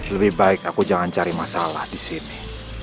lebih baik aku jangan cari masalah disini